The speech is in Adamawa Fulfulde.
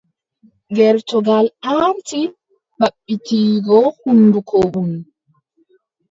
Gertogal aarti maɓɓititgo hunnduko mun.